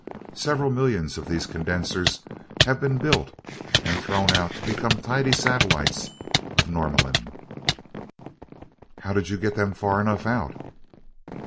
Several millions of these condensers have been built and thrown out to become tiny satellites of Norlamin." "How did you get them far enough out?"